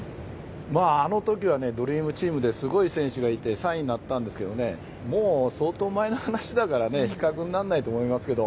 まあ、あの時はねドリームチームですごい選手がいて３位になったんですがもう相当、前の話だから比較にならないと思いますけど。